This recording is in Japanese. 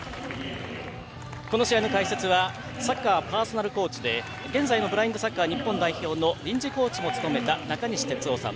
この試合の解説はサッカーパーソナルコーチで現在のブラインドサッカー日本代表の臨時コーチも務めた中西哲生さん。